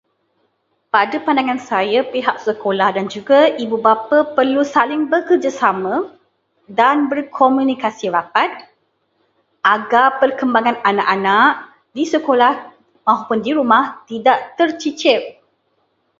Pada pandangan saya, pihak sekolah dan juga ibu bapa perlu saling bekerjasama dan berkomunikasi rapat agar perkembangan anak-anak di sekolah mahupun di rumah tidak tercicir.